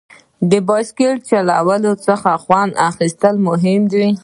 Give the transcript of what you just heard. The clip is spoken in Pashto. د بایسکل چلولو څخه خوند اخیستل مهم دي.